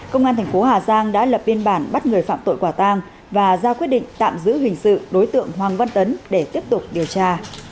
công an thành phố hà giang đã lập biên bản bắt người phạm tội quả tang và ra quyết định tạm giữ hình sự đối tượng hoàng văn tấn để tiếp tục điều tra